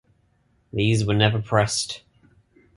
These were never pressed.